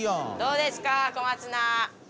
どうですか小松菜。